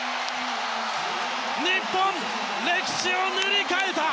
日本、歴史を塗り替えた！